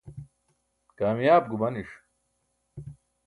kamiyaab gumaniṣ